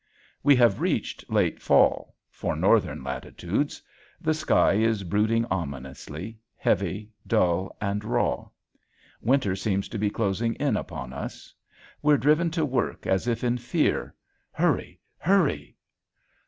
We have reached late fall for northern latitudes. The sky is brooding ominously, heavy, dull, and raw. Winter seems to be closing in upon us. We're driven to work as if in fear. Hurry, hurry!